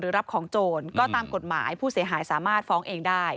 รับของโจรก็ตามกฎหมายผู้เสียหายสามารถฟ้องเองได้